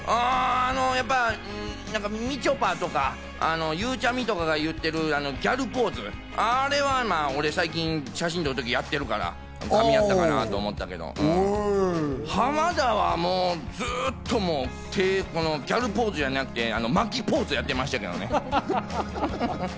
あの、やっぱ、みちょぱとかゆうちゃみとかが言ってるギャルポーズ、あれは俺、最近、写真撮るときやってるから、かみ合ったかなと思ったけど、浜田はもうずっと手をギャルポーズやなくて巻きポーズやってました。